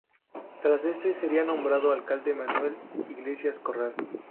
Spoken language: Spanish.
Tras este, sería nombrado alcalde Manuel Iglesias Corral.